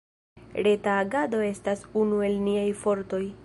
Reta agado estas unu el niaj fortoj.